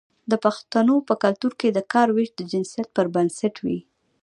د پښتنو په کلتور کې د کار ویش د جنسیت پر بنسټ وي.